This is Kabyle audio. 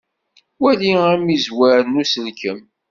Wali amizzwer n uselkem.